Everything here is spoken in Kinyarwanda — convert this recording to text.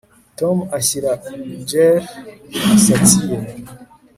Tom ashyira gel mumisatsi ye